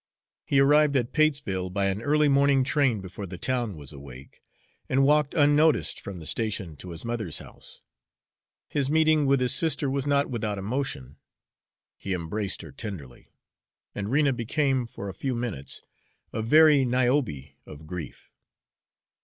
He arrived at Patesville by an early morning train before the town was awake, and walked unnoticed from the station to his mother's house. His meeting with his sister was not without emotion: he embraced her tenderly, and Rena became for a few minutes a very Niobe of grief.